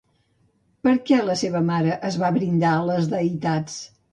Per què la seva mare es va brindar a les deïtats?